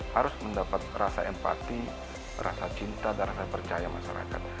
harus mendapat rasa empati rasa cinta dan rasa percaya masyarakat